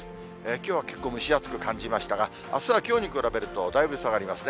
きょうは結構蒸し暑く感じましたが、あすはきょうに比べるとだいぶ下がりますね。